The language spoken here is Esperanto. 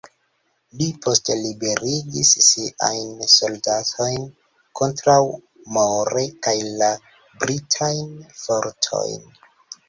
Li poste liberigis siajn soldatojn kontraŭ Moore kaj la Britajn fortojn.